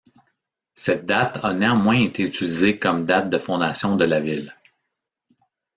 Cette date a néanmoins été utilisée comme date de fondation de la ville.